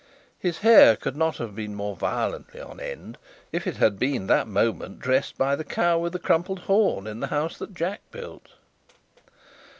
His hair could not have been more violently on end, if it had been that moment dressed by the Cow with the crumpled horn in the house that Jack built.